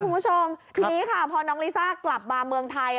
คุณผู้ชมทีนี้ค่ะพอน้องลิซ่ากลับมาเมืองไทย